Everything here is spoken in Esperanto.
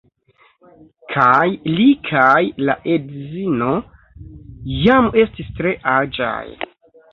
Kaj li kaj la edzino jam estis tre aĝaj.